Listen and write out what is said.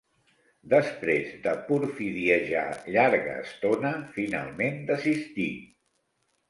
Després de porfidiejar llarga estona, finalment desistí.